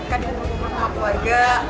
kan dikepung kepung sama keluarga